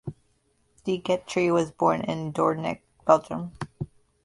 De Geyter was born in Doornik, Belgium.